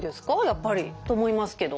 やっぱりと思いますけど。